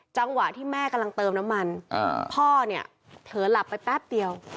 จังหวะที่แม่กำลังเติมน้ำมันพ่อเนี่ยเผลอหลับไปแป๊บเดียว